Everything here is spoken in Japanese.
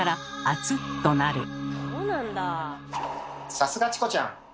さすがチコちゃん！